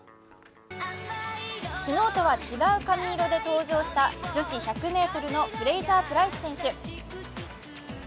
昨日とは違う髪色で登場した女子１００ｍのフレイザープライス選手。